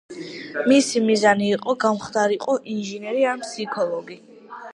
მისი მიზანი იყო გამხდარიყო ინჟინერი ან ფსიქოლოგი.